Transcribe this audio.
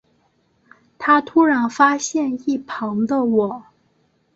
他突然发现一旁的我